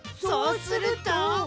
そうすると？